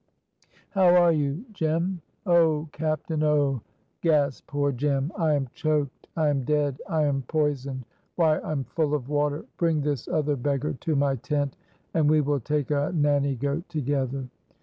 "How are you, Jem?" "Oh, captain, oh!" gasped poor Jem, "I am choked I am dead I am poisoned why, I'm full of water; bring this other beggar to my tent, and we will take a nanny goat together."